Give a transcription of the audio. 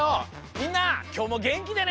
みんなきょうもげんきでね！